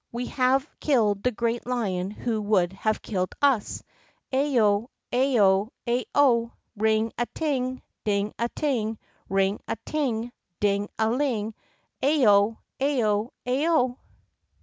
We have killed the great lion who would have killed us! Ao! Ao! Ao! Ao! Ring a ting—ding a ting! Ring a ting—ding a ting! Ao! Ao! Ao!"